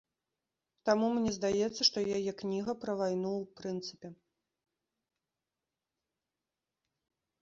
Таму мне здаецца, што яе кніга пра вайну ў прынцыпе.